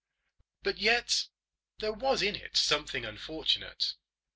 But yet there was in it something unfortunate.